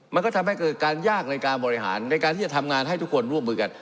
มันก็ทำให้เกิดการยากในการบริหารในการที่จะทำงานให้ทุกคนร่วมมือกัน